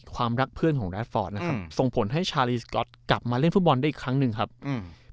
รักเพื่อนของแรดฟอร์ดนะครับส่งผลให้ชาลีสก๊อตกลับมาเล่นฟุตบอลได้อีกครั้งหนึ่งครับอืม